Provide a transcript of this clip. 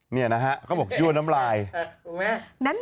นี่นะฮะเขาบอกยั่วน้ำลายถูกไหม